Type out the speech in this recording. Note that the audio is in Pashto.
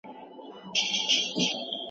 بېلابېل بنسټونه هم په ټولنه کي زور لري.